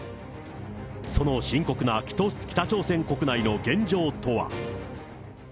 その深刻な北朝鮮国内の現状とは。